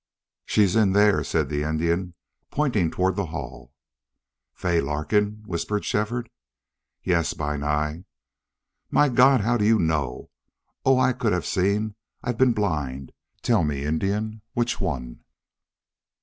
"She's in there," said the Indian, pointing toward hall. "Fay Larkin?" whispered Shefford. "Yes, Bi Nai." "My God! HOW do you know? Oh, I could have seen. I've been blind. ... Tell me, Indian. Which one?"